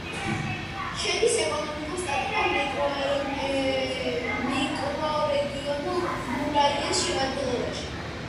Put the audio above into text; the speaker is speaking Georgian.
შედის ეკონომიკურ-სტატისტიკურ მიკრორეგიონ მურიაეს შემადგენლობაში.